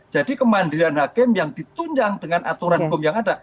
jadi kemandiran hakim yang ditunjang dengan aturan hukum yang ada